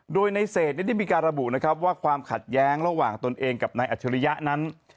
โดยในเศษได้มีการระบุนะครับว่าความขัดแย้งระหว่างตนเองกับนายอัจฉริยะนั้น